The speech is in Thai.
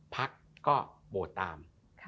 พรรคก็โบดตาม